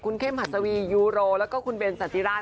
เข้มหัสวียูโรแล้วก็คุณเบนสันติราช